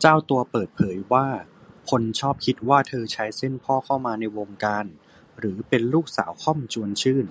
เจ้าตัวเปิดเผยว่า คนชอบคิดว่าเธอใช้เส้นพ่อเข้ามาในวงการ หรือเป็นลูกสาว ค่อม ชวนชื่น